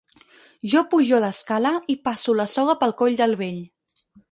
Jo pujo a l'escala i passo la soga pel coll del vell.